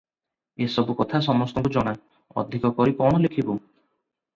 ଏ ସବୁ କଥା ସମସ୍ତଙ୍କୁ ଜଣା, ଅଧିକ କରି କଣ ଲେଖିବୁଁ?